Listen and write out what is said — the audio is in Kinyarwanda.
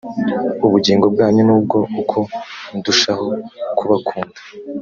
ubugingo bwanyu nubwo uko ndushaho kubakunda